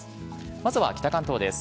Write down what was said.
まずは北関東です。